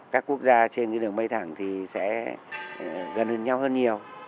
các quốc gia trên cái đường bay thẳng thì sẽ gần nhau hơn nhiều